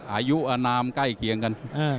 อายุอนามใกล้เคียงกัน